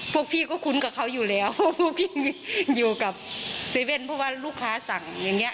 พวกพี่ก็คุ้นกับเขาอยู่แล้วพวกพี่อยู่กับ๗๑๑เพราะว่าลูกค้าสั่งอย่างเงี้